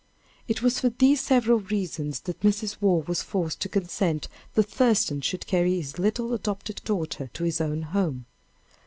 It was for these several reasons that Mrs. Waugh was forced to consent that Thurston should carry his little adopted daughter to his own home.